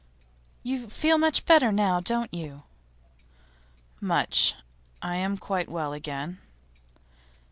'You feel much better now, don't you?' 'Much. I am quite well again.